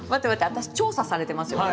私調査されてますよね。